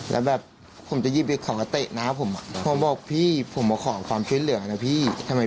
แต่เขากับไม่สนใจ